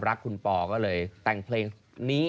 ศิลปินทฤษฎี